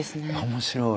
面白い。